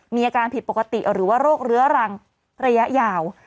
มีอาการผิดปกติหรือว่าโรคเรื้อรังระยะยาว